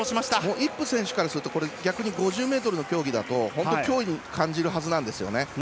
イップ選手からすると５０ｍの競技だと脅威に感じるはずなんですよね。